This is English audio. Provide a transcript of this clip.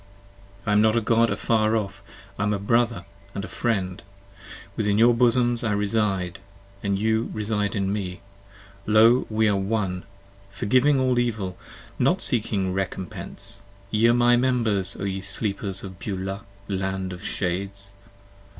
I am not a God afar off, I am a brother and friend ; Within your bosoms I reside, and you reside in me: 20 Lo! we are One; forgiving all Evil; Not seeking recompense; Ye are my members O ye sleepers of Beulah, land of shades!